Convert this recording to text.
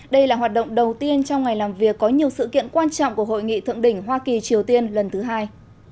đây là hoạt động đầu tiên trong ngày làm việc có nhiều sự kiện quan trọng của hội nghị thượng đỉnh hoa kỳ triều tiên lần thứ hai